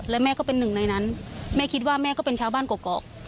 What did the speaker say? และแม่ก็เป็นหนึ่งในนั้นแม่คิดว่าแม่ก็เป็นชาวบ้านกรอก